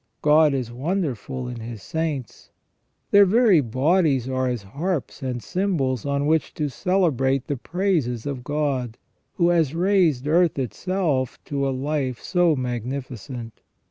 God is wonderfnl in His saints. Their very bodies are as harps and cymbals on which to celebrate the praises of God, who has raised earth itself to a life so magnifi cent.